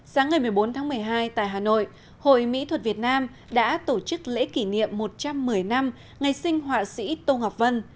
sáng ngày một mươi bốn tháng một mươi hai tại hà nội hội mỹ thuật việt nam đã tổ chức lễ kỷ niệm một trăm một mươi năm ngày sinh họa sĩ tô ngọc vân